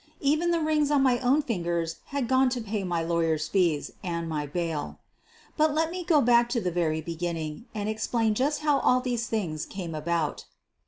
Even the rings on my own fingers had gone to pay my lawyers' fees and my bail. But let me go back to the very beginning and ex plain just how all these things came about.